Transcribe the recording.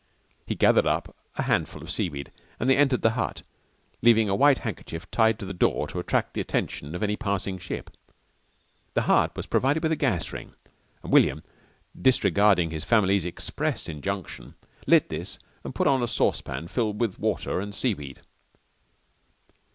He gathered up a handful of seaweed and they entered the hut, leaving a white handkerchief tied on to the door to attract the attention of any passing ship. The hut was provided with a gas ring and William, disregarding his family's express injunction, lit this and put on a saucepan filled with water and seaweed.